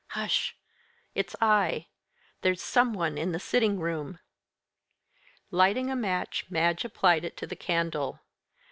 "Hush! It's I. There's some one in the sitting room." Lighting a match, Madge applied it to the candle.